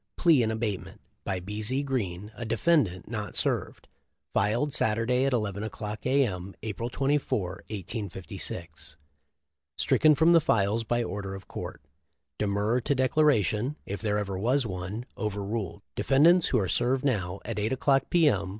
Plea in abatement by B. Z. Green, a defendant not served, filed Saturday at 11 o'clock A. M., April 24, 1856, stricken from the files by order of court. De murrer to declaration, if there ever was one, over ruled. Defendants who are served now, at 8 o'clock, P. M.